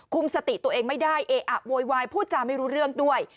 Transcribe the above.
สติตัวเองไม่ได้เออะโวยวายพูดจาไม่รู้เรื่องด้วย